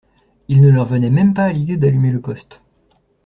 Il ne leur venait même pas à l’idée d’allumer le poste.